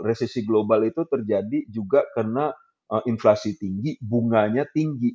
resesi global itu terjadi juga karena inflasi tinggi bunganya tinggi